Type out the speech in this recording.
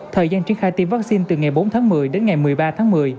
thời gian triển khai tiêm vaccine từ ngày bốn tháng một mươi đến ngày một mươi ba tháng một mươi